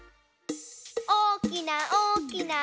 おおきなおおきな